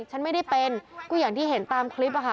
ฉันไม่ได้เป็นก็อย่างที่เห็นตามคลิปอะค่ะ